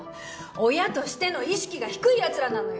親としての意識が低いやつらなのよ